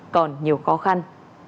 còn nhiều khó khăn